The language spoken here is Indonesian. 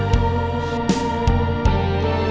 aku masih main